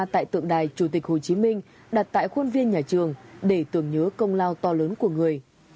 tại tượng đài chủ tịch hồ chí minh đặt tại khuôn viên nhà trường để tưởng nhớ công lao to lớn của người